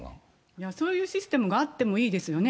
いや、そういうシステムがあってもいいですよね。